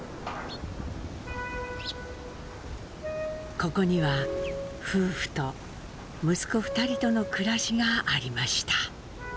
ここには夫婦と息子２人との暮らしがありました。